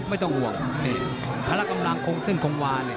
ไม่ต้องห่วงภารกำลังเส้นคงวาน